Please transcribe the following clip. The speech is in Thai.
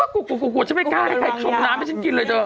กลัวฉันไม่กล้าให้ใครชมน้ำให้ฉันกินเลยเธอ